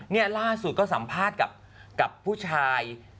นี่ล่าสุดก็สัมภาษณ์กับผู้ชาย